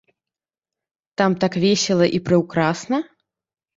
Там так весела і прыўкрасна?